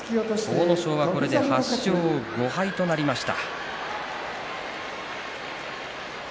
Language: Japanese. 阿武咲がこれで８勝５敗となりました。